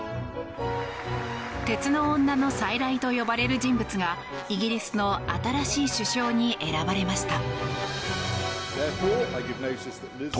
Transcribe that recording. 鉄の女の再来と呼ばれる人物がイギリスの新しい首相に選ばれました。